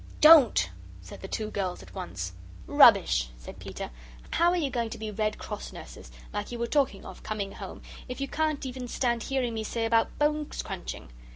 "Don't!" said the two girls at once. "Rubbish!" said Peter. "How are you going to be Red Cross Nurses, like you were talking of coming home, if you can't even stand hearing me say about bones crunching?